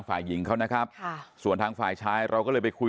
มีตำรวจเจอยาแล้วก็ตำรวจรีบเงินอะไรอย่างนี้